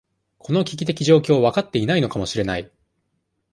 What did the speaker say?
この危機的状況、分かっていないのかもしれない。